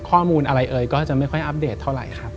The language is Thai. ข้อมูลอะไรเอ่ยก็จะไม่ค่อยอัปเดตเท่าไหร่ครับ